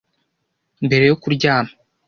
mbere yo kuryama,